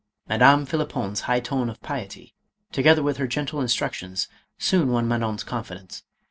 Madame Phlippon's high tone of piety, together with her gentle instructions, soon won Manon's confidence.